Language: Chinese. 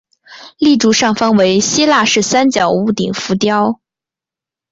立柱上方为希腊式三角屋顶浮雕。